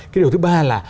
cái điều thứ ba là